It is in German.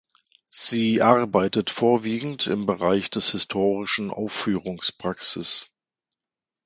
Sie arbeitet vorwiegend im Bereich des historischen Aufführungspraxis.